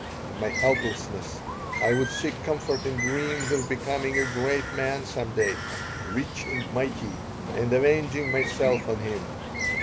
In my helplessness I would seek comfort in dreams of becoming a great man some day, rich and mighty, and avenging myself on him.